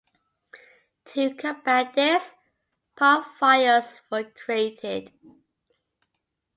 To combat this, par files were created.